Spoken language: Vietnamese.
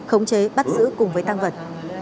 khống chế bắt giữ cùng với tăng vật